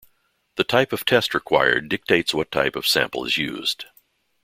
The type of test required dictates what type of sample is used.